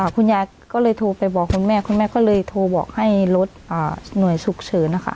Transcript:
คุณยายก็เลยโทรไปบอกคุณแม่คุณแม่ก็เลยโทรบอกให้รถหน่วยฉุกเฉินนะคะ